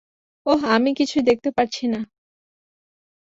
ওহ, আমি কিছুই দেখতে পারছি না।